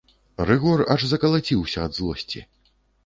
Рыгор аж закалаціўся ад злосці.